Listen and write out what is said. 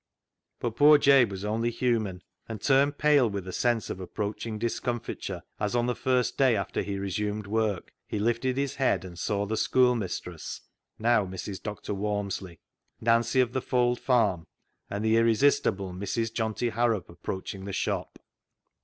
But poor Jabe was only human, and turned pale with a sense of approaching discomfiture as on the first day after he resumed work he lifted his head and saw the schoolmistress (now Mrs. Dr. Walmsley), Nancy of the Fold farm, and the irresistible Mrs. Johnty Harrop approaching the shop.